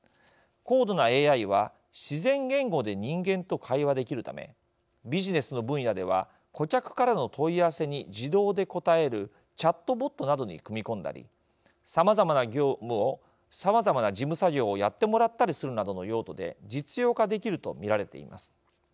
高度なＡＩは自然言語で人間と会話できるためビジネスの分野では顧客からの問い合わせに自動で答えるチャットボットなどに組み込んだりさまざまな事務作業をやってもらったりするなどの用途で実用化できると見られています。